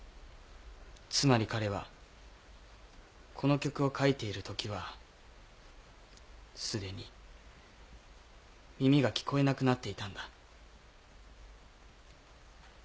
つまり彼はこの曲を書いている時は既に耳が聞こえなくなっていたんだ。